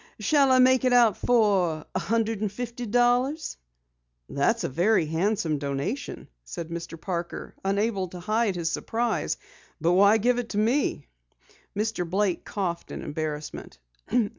"Shall I make it out for a hundred and fifty dollars?" "That's a very handsome donation," said Mr. Parker, unable to hide his surprise. "But why give it to me?" Mr. Blake coughed in embarrassment.